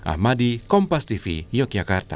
ahmadi kompas tv yogyakarta